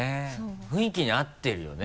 雰囲気に合ってるよね